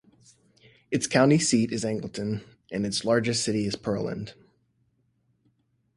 Its county seat is Angleton, and its largest city is Pearland.